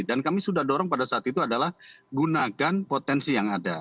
kami sudah dorong pada saat itu adalah gunakan potensi yang ada